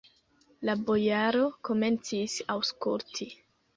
La bojaro komencis aŭskulti.